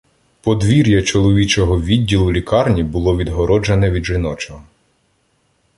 Подвір'я чоловічого відділу лікарні було відгороджене від жіночого.